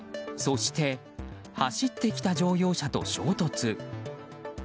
そして、走ってきた乗用車と衝突。